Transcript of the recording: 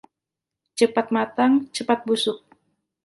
Cepat matang, cepat busuk.